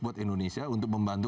untuk indonesia untuk membantu